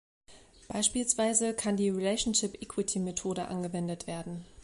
Beispielsweise kann die Relationship-Equity-Methode angewendet werden.